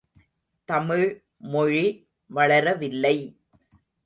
தமிழ் மொழி வளரவில்லை!